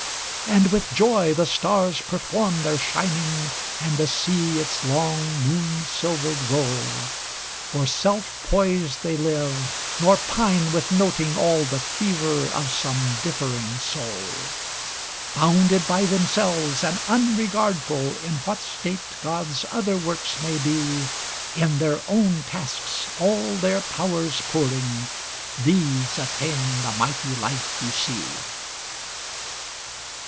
"And with joy the stars perform their shining, And the sea its long moon silvered roll; For self poised they live, nor pine with noting All the fever of some differing soul. "Bounded by themselves, and unregardful In what state God's other works may be, In their own tasks all their powers pouring, These attain the mighty life you see."